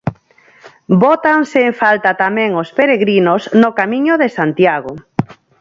Bótanse en falta tamén os peregrinos no Camiño de Santiago.